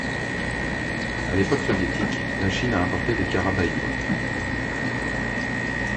À l'époque soviétique, la Chine a importé des Karabaïr.